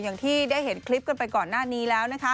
อย่างที่ได้เห็นคลิปกันไปก่อนหน้านี้แล้วนะคะ